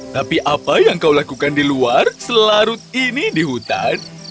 tapi apa yang kau lakukan di luar selarut ini di hutan